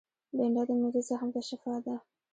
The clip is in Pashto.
بېنډۍ د معدې زخم ته شفاء ده